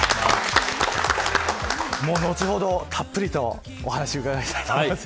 後ほどたっぷりとお話を伺えたらなと思います。